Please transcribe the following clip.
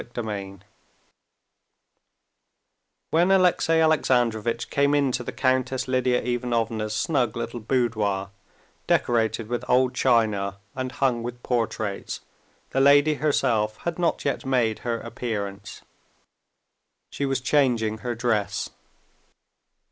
Chapter 25 When Alexey Alexandrovitch came into the Countess Lidia Ivanovna's snug little boudoir, decorated with old china and hung with portraits, the lady herself had not yet made her appearance. She was changing her dress.